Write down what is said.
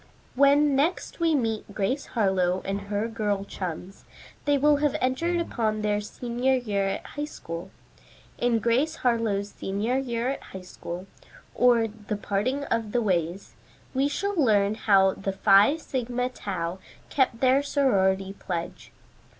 When next we meet Grace Harlowe and her girl chums, they will have entered upon their senior year at High School. In "GRACE HARLOWE'S SENIOR YEAR AT HIGH SCHOOL; Or, The Parting of the Ways," we shall learn how the Phi Sigma Tau kept their sorority pledge.